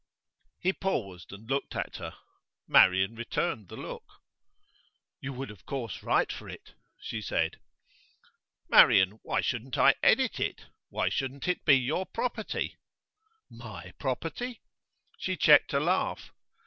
He paused and looked at her. Marian returned the look. 'You would of course write for it,' she said. 'Marian, why shouldn't I edit it? Why shouldn't it be your property?' 'My property ?' She checked a laugh.